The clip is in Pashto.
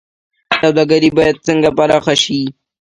سوداګري باید څنګه پراخه شي؟